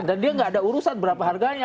dan dia enggak ada urusan berapa harganya